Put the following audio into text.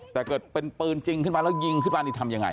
แต่เกิดเป็นปืนจริงขึ้นมาแล้วยิงขึ้นมานี่ทำยังไง